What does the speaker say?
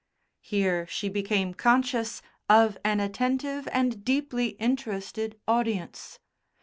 Here she became conscious of an attentive and deeply interested audience.